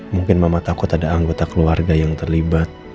mungkin mama takut ada anggota keluarga yang terlibat